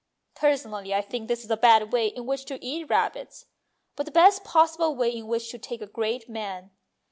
Personally I think this is a bad way in which to eat rabbits, but the best possible way in which to take a great man.